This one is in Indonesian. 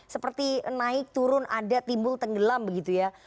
seperti naik turun ada timbul tenggelam begitu ya